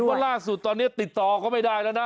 ว่าล่าสุดตอนนี้ติดต่อก็ไม่ได้แล้วนะ